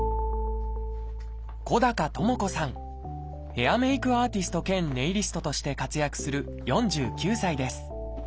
ヘアメイクアーティスト兼ネイリストとして活躍する４９歳です。